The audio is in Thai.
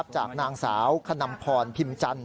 จากนางสาวขนำพรพิมจันท